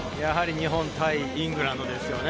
日本対イングランドですね。